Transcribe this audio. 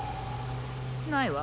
ないわ。